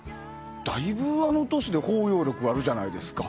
だいぶ、あの年で包容力あるじゃないですか。